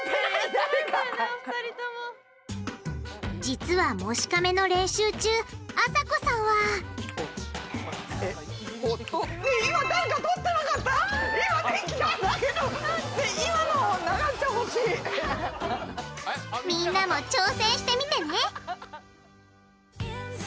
実は「もしかめ」の練習中あさこさんはみんなも挑戦してみてね！